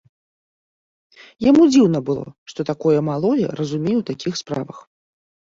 Яму дзіўна было, што такое малое разумее ў такіх справах.